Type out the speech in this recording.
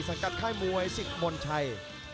สังกัดค่ายมวยสิทธิ์มนต์ชัย